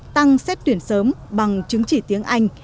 tăng xét tuyển sớm bằng chứng chỉ tiếng anh